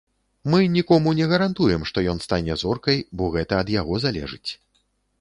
Мы нікому не гарантуем, што ён стане зоркай, бо гэта ад яго залежыць.